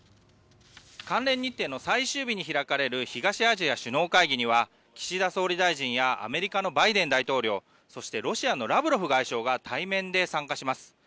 関連日程の最終日に開かれる東アジア首脳会議には岸田総理やアメリカのバイデン大統領そして、ロシアのラブロフ外相が対面で参加します。